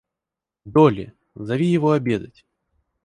Долли, зови его обедать!